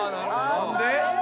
何で？